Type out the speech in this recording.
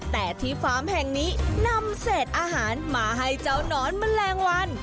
แต่ที่ฟาร์มแห่งนี้นำเศษอาหารมาให้เจ้านอนแมลงวัน